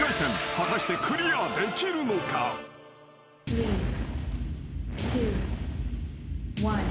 ［果たしてクリアできるのか？］アウト！